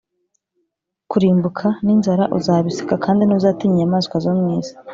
kurimbuka n’inzara uzabiseka, kandi ntuzatinya inyamaswa zo mu isi